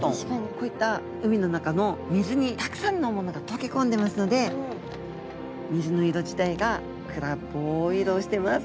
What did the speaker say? こういった海の中の水にたくさんのものが溶け込んでますので水の色自体が暗っぽい色をしてます。